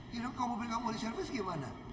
kalau mobil kamu di servis gimana